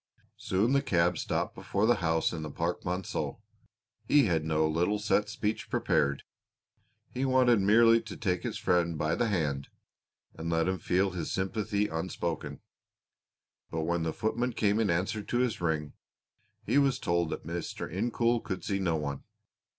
Soon the cab stopped before the house in the Parc Monceau. He had no little set speech prepared; he wanted merely to take his friend by the hand and let him feel his sympathy unspoken, but when the footman came in answer to his ring, he was told that Mr. Incoul could see no one.